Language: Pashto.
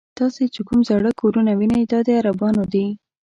تاسې چې کوم زاړه کورونه وینئ دا د عربانو دي.